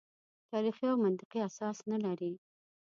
تاریخي او منطقي اساس نه لري.